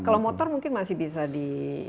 kalau motor mungkin masih bisa di